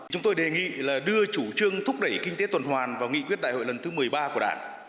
chúng tôi đề nghị là đưa chủ trương thúc đẩy kinh tế tuần hoàn vào nghị quyết đại hội lần thứ một mươi ba của đảng